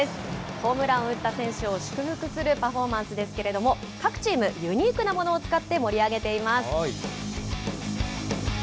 ホームラン打った選手を祝福するパフォーマンスですけれども、各チーム、ユニークなものを使って盛り上げています。